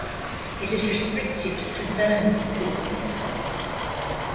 It is restricted to vernal pools.